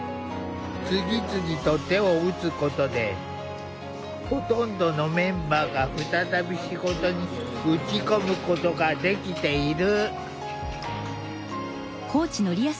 次々と手を打つことでほとんどのメンバーが再び仕事に打ち込むことができている。